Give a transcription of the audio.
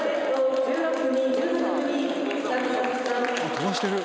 飛ばしてる。